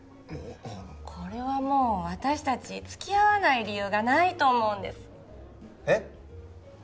はあこれはもう私達つきあわない理由がないと思うんですえっ？